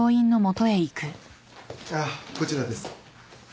ああこちらです。